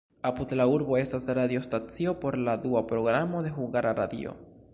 Apud la urbo estas radiostacio por la dua programo de Hungara Radio.